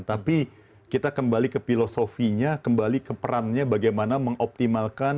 tapi kita kembali ke filosofinya kembali ke perannya bagaimana mengoptimalkan